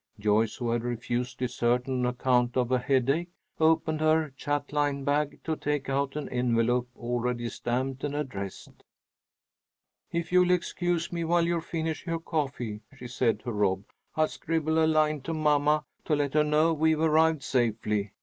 Joyce, who had refused dessert on account of a headache, opened her chatelaine bag to take out an envelope already stamped and addressed. "If you'll excuse me while you finish your coffee," she said to Rob, "I'll scribble a line to mamma to let her know we've arrived safely.